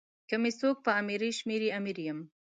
که می څوک په امیری شمېري امیر یم.